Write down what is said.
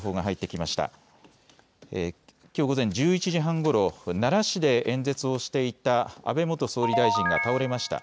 きょう午前１１時半ごろ、奈良市で演説をしていた安倍元総理大臣が倒れました。